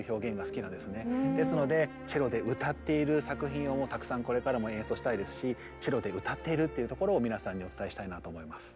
ですのでチェロで歌っている作品をたくさんこれからも演奏したいですしチェロで歌っているっていうところを皆さんにお伝えしたいなと思います。